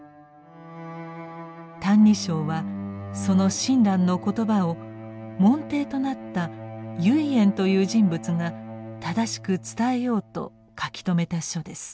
「歎異抄」はその親鸞の言葉を門弟となった唯円という人物が正しく伝えようと書き留めた書です。